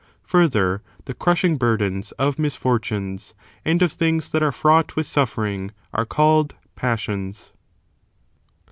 Further, the crushing burdens of misfortunes, and of things that are fraught with suffering, are called passions.